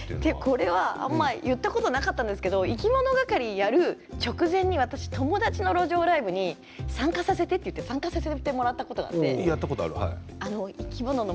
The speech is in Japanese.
これはあまり言ったことはなかったんですけどいきものがかりをやる直前に私友達の路上ライブに参加させてと言って参加させてもらったことがあっていきもの